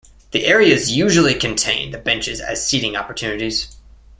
The areas usually contain the benches as seating opportunities.